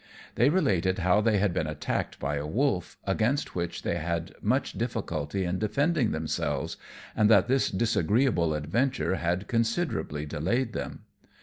They related how they had been attacked by a wolf, against which they had much difficulty in defending themselves, and that this disagreeable adventure had considerably delayed them.